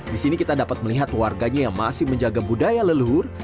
di sini kita dapat melihat warganya yang masih menjaga budaya leluhur